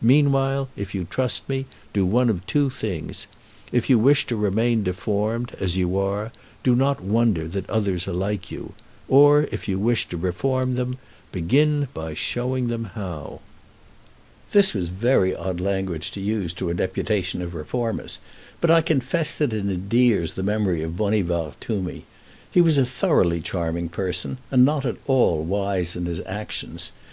Meanwhile, if you trust me, do one of two things: if you wish to remain deformed, as you are, do not wonder that others are like you; or, if you wish to reform them, begin by showing them how." [Illustration: A Railroad Servant] This was very odd language to use to a deputation of reformers, but I confess that it endears the memory of Bonivard to me. He was a thoroughly charming person, and not at all wise in his actions.